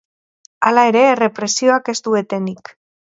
Hala ere, errepresioak ez du etenik.